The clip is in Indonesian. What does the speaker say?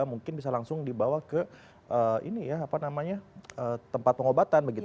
mungkin bisa langsung dibawa ke tempat pengobatan begitu